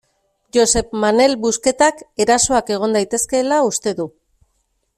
Josep Manel Busquetak erasoak egon daitezkeela uste du.